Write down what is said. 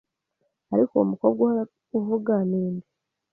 Ariko uwo mukobwa uhora uvuga ninde